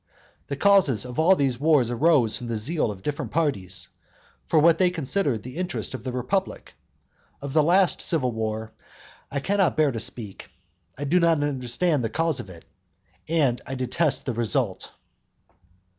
The causes of all these wars arose from the zeal of different parties, for what they considered the interest of the republic. Of the last civil war I cannot bear to speak. I do not understand the cause of it, I detest the result.